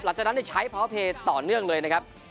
หลังจากนั้นใช้เพาะเพย์ต่อเนื่องเลยนะครับ